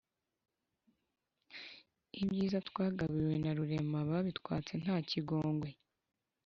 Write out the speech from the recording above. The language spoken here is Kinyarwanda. Ibyiza twagabiwe na Rurema Babitwatse nta kigongwe